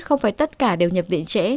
không phải tất cả đều nhập viện trễ